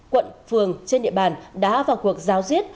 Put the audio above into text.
quận phường trên địa bàn đã vào cuộc giáo diết